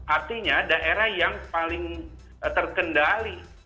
artinya daerah yang paling terkendali